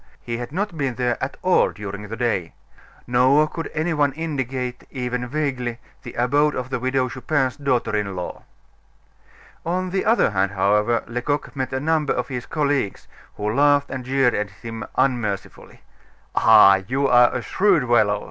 He had not been there at all during the day. Nor could any one indicate, even vaguely, the abode of the Widow Chupin's daughter in law. On the other hand, however, Lecoq met a number of his colleagues, who laughed and jeered at him unmercifully. "Ah! you are a shrewd fellow!"